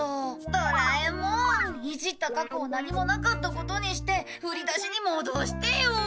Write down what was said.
ドラえもんいじった過去を何もなかったことにして振り出しに戻してよ。